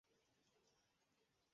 Vazi lishe hupendwa na rika zote